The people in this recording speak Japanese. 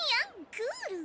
クール